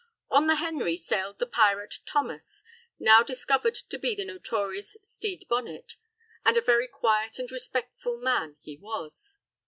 On the Henry sailed the pirate Thomas, now discovered to be the notorious Stede Bonnet, and a very quiet and respectful man he was.